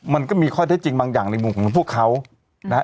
มันก็มีข้อเท็จจริงบางอย่างในมุมของพวกเขานะฮะ